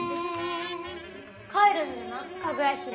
「帰るんだなかぐや姫」。